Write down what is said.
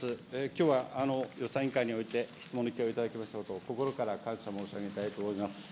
きょうは予算委員会において、質問の機会をいただいたことを、心から感謝申し上げたいと思います。